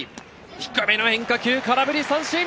低めの変化球、空振り三振。